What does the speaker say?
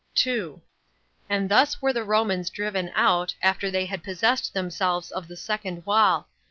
2. And thus were the Romans driven out, after they had possessed themselves of the second wall.